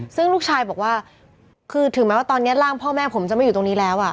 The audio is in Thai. ซึ่งลูกชายบอกว่าคือถึงแม้ว่าตอนนี้ร่างพ่อแม่ผมจะไม่อยู่ตรงนี้แล้ว